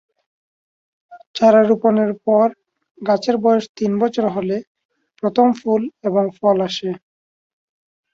চারা রোপণের পর গাছের বয়স তিন বছর হলে প্রথম ফুল এবং ফল আসে।